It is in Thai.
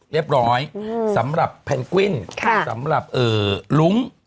เรียบร้อยสำหรับแพนกวินสำหรับลุ้ง